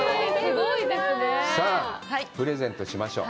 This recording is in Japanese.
さあ、プレゼントしましょう！